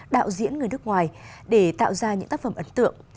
đạo diễn người nước ngoài để tạo ra những tác phẩm ấn tượng